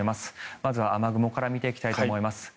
まずは雨雲から見ていきたいと思います。